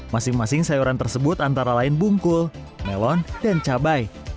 masing masing sayuran tersebut antara lain bungkul melon dan cabai